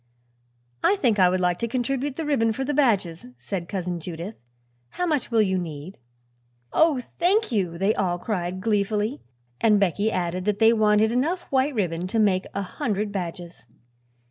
"I think I would like to contribute the ribbon for the badges," said Cousin Judith. "How much will you need?" "Oh, thank you!" they all cried gleefully, and Becky added that they wanted enough white ribbon to make a hundred badges.